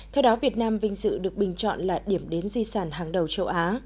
theo đó việt nam vinh dự được bình chọn là điểm đến di sản hàng đầu châu á